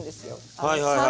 うわはいはいはい。